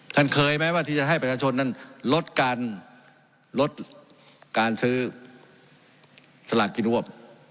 ท่านเคยไหมที่จะให้ประชาชนลดการซื้อสลากกินอ้วม